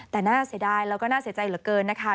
แต่น่าเสียดายแล้วก็น่าเสียใจเหลือเกินนะคะ